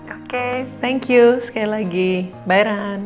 oke thank you sekali lagi bye ran